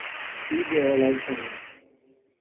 ideologicamente